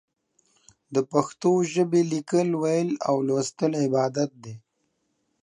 د پښتو ژبې ليکل، ويل او ولوستل عبادت دی.